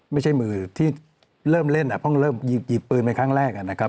ไม่ใช่มือที่เริ่มเล่นต้องเริ่มหยิบปืนไว้ครั้งแรกนะครับ